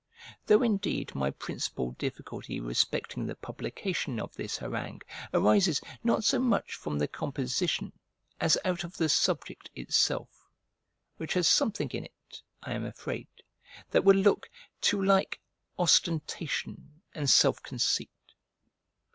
Though indeed my principal difficulty respecting the publication of this harangue arises not so much from the composition as out of the subject itself, which has something in it, I am afraid, that will look too like ostentation and self conceit.